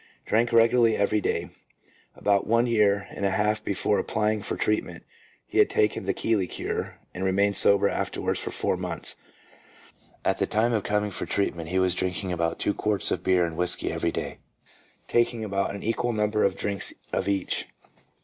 Drank regularly every day. About one year and a half before applying for treatment he had taken the " Keeley Cure," and remained sober afterwards for four months. At the time of coming for treatment he was drinking about two quarts of beer and whisky every day, taking about an equal number of drinks of each.